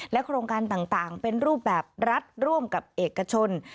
โครงการต่างเป็นรูปแบบรัฐร่วมกับเอกชน